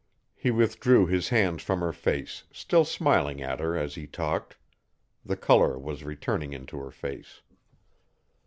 He withdrew his hands from her face, still smiling at her as he talked. The color was returning into her face.